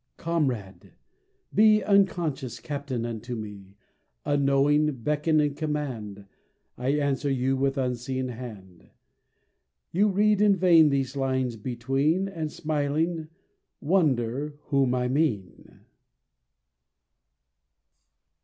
Comrade! be Unconscious captain unto me. Unknowing, beckon and command: I answer you with unseen hand. You read in vain these lines between, And smiling, wonder whom I mean.